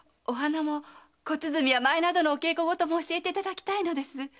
お花も小鼓や舞などのお稽古事も教えていただきたいのです。